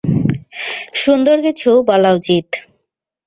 সুন্দর কিছু বলা উচিত।